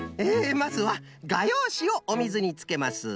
まずはがようしをおみずにつけます。